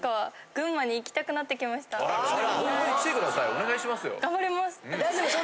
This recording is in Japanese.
お願いしますよ。